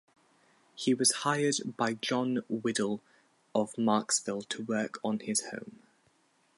He was hired by John Waddill of Marksville to work on his home.